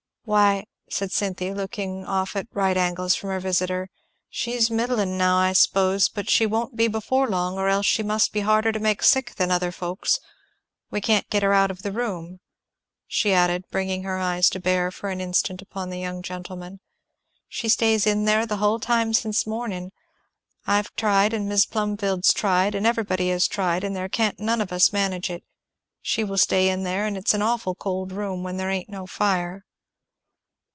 "Why," said Cynthy, looking off at right angles from her visitor, "she's middling now, I s'pose, but she won't be before long, or else she must be harder to make sick than other folks. We can't get her out of the room," she added, bringing her eyes to bear, for an instant, upon the young gentleman, "she stays in there the hull time since morning I've tried, and Mis' Plumfield's tried, and everybody has tried, and there can't none of us manage it; she will stay in there and it's an awful cold room when there ain't no fire."